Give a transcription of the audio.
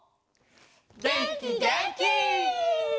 げんきげんき！